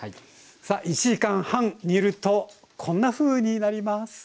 さあ１時間半煮るとこんなふうになります。